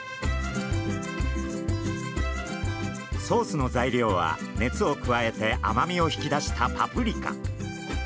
ソースの材料は熱を加えて甘みを引き出したパプリカ。